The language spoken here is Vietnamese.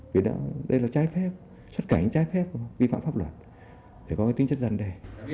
vì đây là trái phép xuất cảnh trái phép vi phạm pháp luật để có cái tính chất dân đề